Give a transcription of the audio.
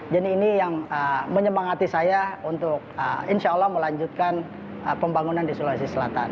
jadi ini yang menyemangati saya untuk insya allah melanjutkan pembangunan di sulawesi selatan